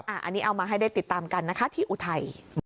อันนี้เอามาให้ได้ติดตามกันนะคะที่อุทัย